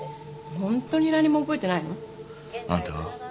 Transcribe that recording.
ホントに何も覚えてないの？あんたは？